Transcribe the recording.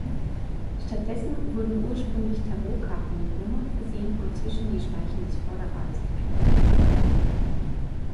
Stattdessen wurden ursprünglich Tarotkarten mit Nummern versehen und zwischen die Speichen des Vorderrades geklemmt.